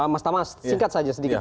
mas tama singkat saja sedikit